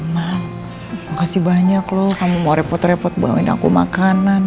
makasih banyak loh kamu mau repot repot bawain aku makanan